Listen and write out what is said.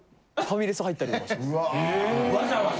わざわざ？